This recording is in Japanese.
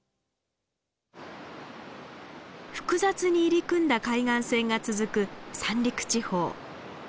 複雑に入り組んだ海岸線が続く三陸地方。